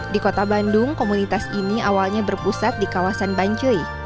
di kota bandung komunitas ini awalnya berpusat di kawasan bancoi